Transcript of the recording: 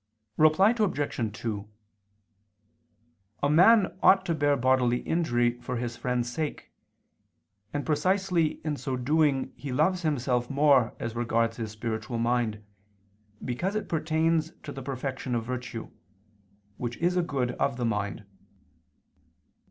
Reply Obj. 2: A man ought to bear bodily injury for his friend's sake, and precisely in so doing he loves himself more as regards his spiritual mind, because it pertains to the perfection of virtue, which is a good of the mind.